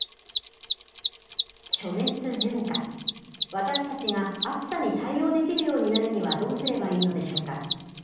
私たちが暑さに対応できるようになるにはどうすればいいのでしょうか。